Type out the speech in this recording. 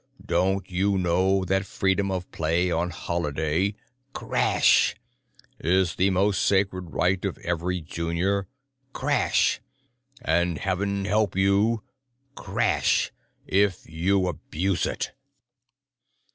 Don't you know that freedom of play on Holiday——" crash "——is the most sacred right of every junior——" crash "——and heaven help you——" crash "——if you abuse it!"